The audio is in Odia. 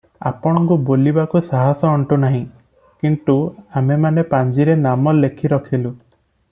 ଆପଣଙ୍କୁ ବୋଲିବାକୁ ସାହସ ଅଣ୍ଟୁନାହିଁ, କିନ୍ତୁ ଆମେମାନେ ପାଞ୍ଜିରେ ନାମ ଲେଖିରଖିଲୁ ।